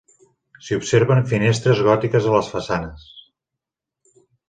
S'hi observen finestres gòtiques a les façanes.